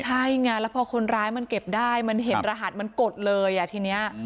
ใช่ไงแล้วพอคนร้ายมันเก็บได้มันเห็นรหัสมันกดเลยอ่ะทีนี้